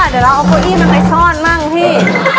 เดี๋ยวเราเอาโคอลี่มันไปซ่อนบ้างพี่